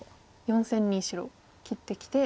４線に白切ってきて。